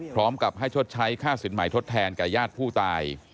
พร้อมกับให้ชดใช้ค่าสินใหม่ทดแทนแก่ญาติผู้ตาย